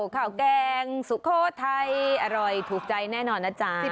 ๐๙๕๓๑๕๖๓๒๙ข่าวแกงสุโขทัยอร่อยถูกใจแน่นอนนะจ้า